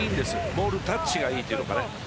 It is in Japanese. ボールタッチがいいというか。